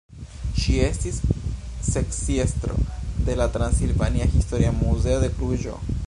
Ŝi estis sekciestro de la Transilvania Historia Muzeo de Kluĵo.